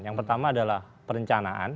yang pertama adalah perencanaan